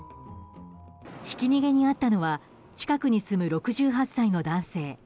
ひき逃げに遭ったのは近くに住む６８歳の男性。